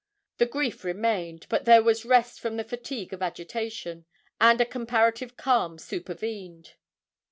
The grief remained, but there was rest from the fatigue of agitation, and a comparative calm supervened.